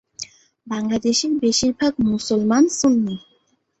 বাংলাদেশের বেশির ভাগ মুসলমান সুন্নি।